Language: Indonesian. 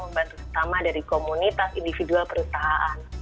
membantu terutama dari komunitas individual perusahaan